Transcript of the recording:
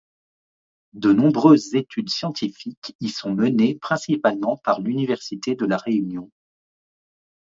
De nombreuses études scientifiques y sont menées, principalement par l’Université de La Réunion.